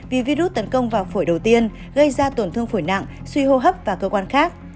vì virus tấn công vào phổi đầu tiên gây ra tổn thương phổi nặng suy hô hấp và cơ quan khác